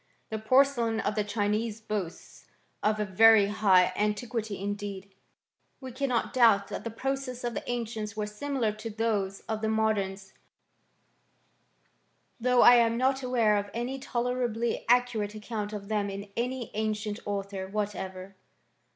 The porcelain of the Chinese boasts of a very high antiquity indeed. We cannot doubt that the processes of the ancients were similar to those of the modems, though I am not aware of any tolerably ac curate account of them in any ancient author what ever.